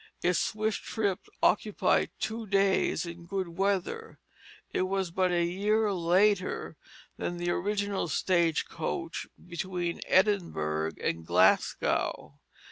Its swift trip occupied two days in good weather. It was but a year later than the original stage coach between Edinburgh and Glasgow.